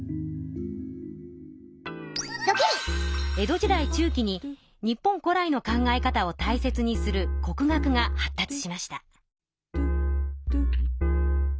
江戸時代中期に日本古来の考え方をたいせつにする国学が発達しました。